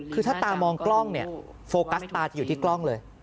คือถ้าตามองกล้องเนี่ยโฟกัสตาจะอยู่ที่กล้องเลย